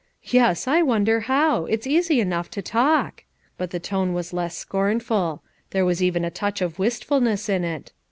Yes, I wonder how? it's easy enough to talk!" But the tone was less scornful; there was even a touch of wistfulness in it.